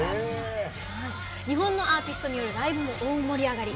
日本のアーティストによるライブも大盛り上がり。